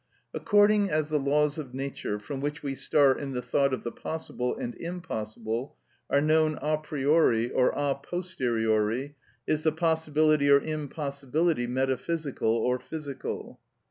According as the laws of nature, from which we start in the thought of the possible and impossible, are known a priori or a posteriori, is the possibility or impossibility metaphysical or physical.